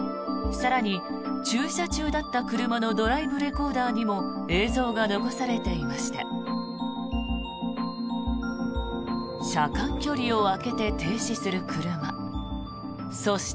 更に、駐車中だった車のドライブレコーダーにも映像が残されていました。